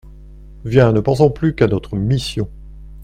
Viens ! ne pensons plus qu'à notre mission.